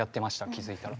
気付いたら。